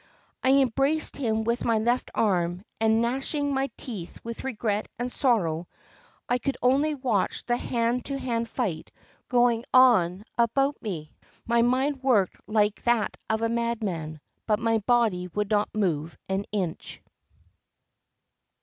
I embraced him with my left arm and, gnashing my teeth with regret and sorrow, I could only watch the hand to hand fight going on about me. My mind worked like that of a madman, but my body would not move an inch.